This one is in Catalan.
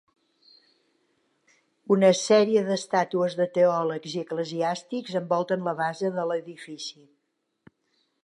Una sèrie d'estàtues de teòlegs i eclesiàstics envolten la base de l'edifici.